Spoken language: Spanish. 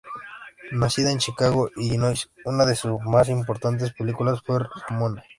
Nacida en Chicago, Illinois, una de sus más importantes películas fue "Ramona".